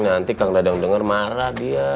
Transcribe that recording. nanti kak dagang denger marah dia